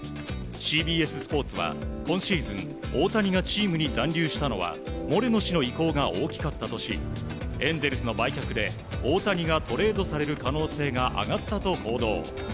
ＣＢＳスポーツは、今シーズン大谷がチームに残留したのはモレノ氏の意向が大きかったとしエンゼルスの売却で大谷がトレードされる可能性が上がったと報道。